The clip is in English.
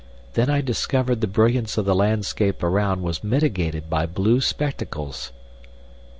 Then I discovered the brilliance of the landscape around was mitigated by blue spectacles.